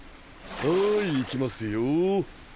はい行きますよ。